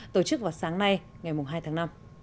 tổ chức vào sáng nay ngày hai tháng năm